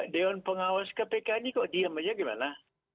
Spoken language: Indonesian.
dewan pengawas kpk ini kok diam aja gimana